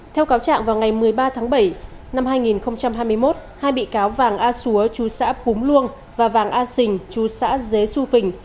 theo cáo trạng vào ngày một mươi ba tháng bảy năm hai nghìn hai mươi một hai bị cáo vàng a xúa chú xã púng luông và vàng a sình chú xã dế xu phình